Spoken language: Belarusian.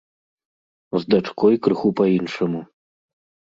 З дачкой крыху па-іншаму.